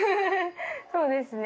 そうですね。